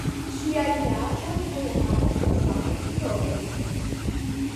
Ŝiaj kreaĵoj foje havas la samajn titolojn!